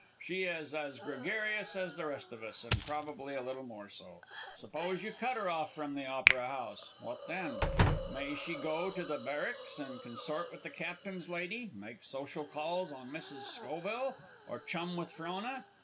She is as gregarious as the rest of us, and probably a little more so. Suppose you cut her off from the Opera House, what then? May she go up to the Barracks and consort with the captain's lady, make social calls on Mrs. Schoville, or chum with Frona?